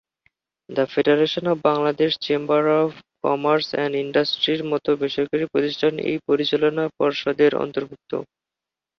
The federation of Bangladesh chamber of commerce and ইন্ডাস্ট্রির মতো বেসরকারি প্রতিষ্ঠান এই পরিচালনা পর্ষদের অন্তর্ভুক্ত।